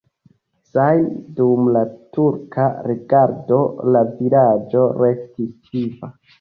Ŝajne dum la turka regado la vilaĝo restis viva.